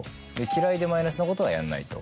嫌いでマイナスなことはやらない。